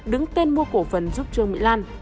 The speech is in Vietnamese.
đứng tên mua cổ phần giúp trương mỹ lan